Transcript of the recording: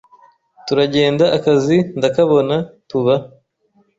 turagenda akazi ndakabona tubah